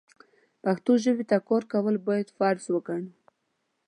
پښتو ژبې ته کار کول بايد فرض وګڼو.